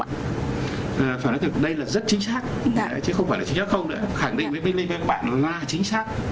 phải nói thật đây là rất chính xác chứ không phải là chính xác không nữa khẳng định với bên bên các bạn là chính xác